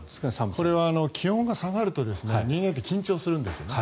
これは気温が下がると人間って緊張するんですね。